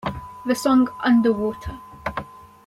The song Underwater!